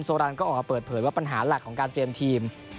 รันก็ออกมาเปิดเผยว่าปัญหาหลักของการเตรียมทีม